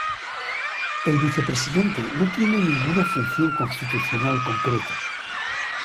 El vicepresidente no tiene ninguna función constitucional concreta.